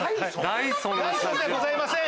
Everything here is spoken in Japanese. ダイソンじゃございません。